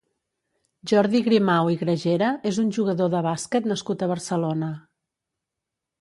Jordi Grimau i Gragera és un jugador de bàsquet nascut a Barcelona.